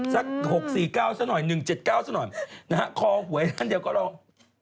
สัก๖๙สักหน่อย๑๗๙สักหน่อยขอหวยนั้นเดียวก็ลอง